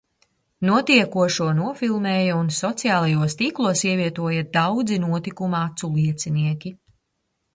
Notiekošo nofilmēja un sociālajos tīklos ievietoja daudzi notikuma aculiecinieki.